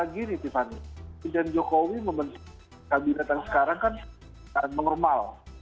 gini tiffany presiden jokowi memenuhi kabinetan sekarang kan mengormal